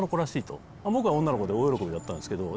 僕は女の子で大喜びだったんですけど。